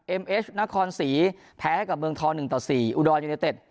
เอ็มเอชนครสีแพ้กับเมืองทอหนึ่งต่อสี่อุดอลยูเนตเต็ด